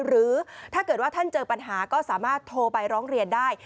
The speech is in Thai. หรือถ้าเกิดว่าท่านเจอปัญหาก็สามารถโทรไปร้องเรียนได้